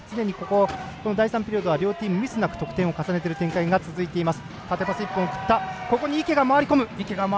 両チームミスなく得点を重ねている展開が続いています。